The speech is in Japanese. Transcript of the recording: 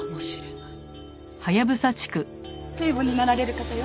聖母になられる方よ。